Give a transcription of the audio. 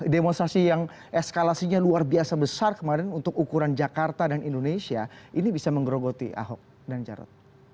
demonstrasi yang eskalasinya luar biasa besar kemarin untuk ukuran jakarta dan indonesia ini bisa menggerogoti ahok dan jarot